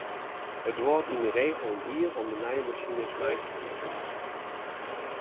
It duorret yn de regel in jier om nije masines meitsje te litten.